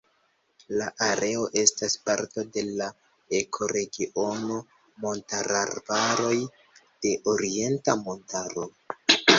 La areo estas parto de la ekoregiono Montararbaroj de Orienta Montaro.